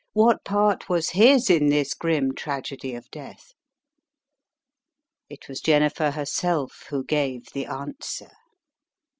What part was his in this grim tragedy of death? It was Jennifer herself who gave the answer.